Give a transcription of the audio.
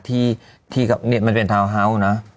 ที่ที่กะเนี่ยเนี่ยมันเป็นทาวน์เฮาส์นะ